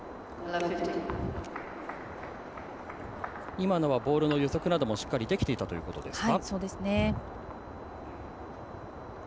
今のはボールの予測などもしっかりできていたということですね。